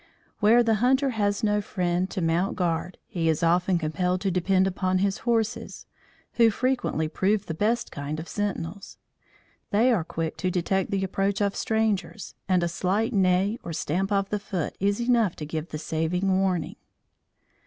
Where the hunter has no friend to mount guard, he is often compelled to depend upon his horses, who frequently prove the best kind of sentinels. They are quick to detect the approach of strangers, and a slight neigh or stamp of the foot is enough to give the saving warning.